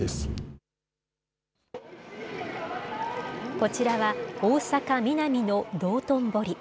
こちらは大阪・ミナミの道頓堀。